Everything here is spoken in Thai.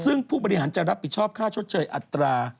ซึ่งผู้บริหารจะรับผิดชอบค่าชดเชยอัตรา